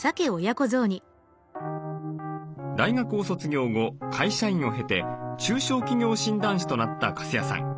大学を卒業後会社員を経て中小企業診断士となった粕谷さん。